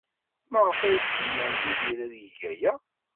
Maɣef ay tdemmer Yidir ad yeg aya?